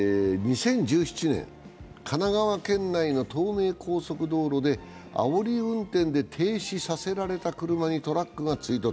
２０１７年、神奈川県内の東名高速道路であおり運転で停止させられた車にトラックが追突。